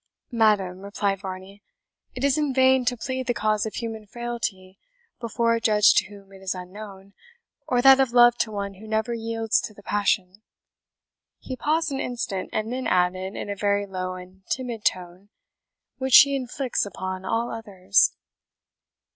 "Madam," replied Varney, "it is in vain to plead the cause of human frailty before a judge to whom it is unknown, or that of love to one who never yields to the passion" he paused an instant, and then added, in a very low and timid tone "which she inflicts upon all others."